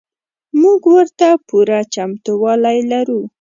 موږ ورته پوره چمتو والی لرو.